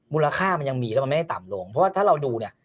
มูลค่ามันยังมีแล้วมันไม่ได้ต่ำลงเพราะว่าถ้าเราดูเนี่ย